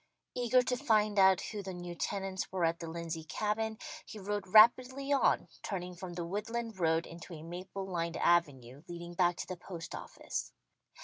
Eager to find out who the new tenants were at the Lindsey Cabin, he rode rapidly on, turning from the woodland road into a maple lined avenue leading back to the post office.